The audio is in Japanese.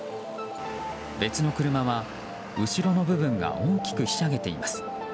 別の車は、後ろの部分が大きくひしゃげています。